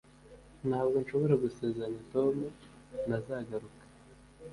Ntabwo nshobora gusezeranya Tom ntazagaruka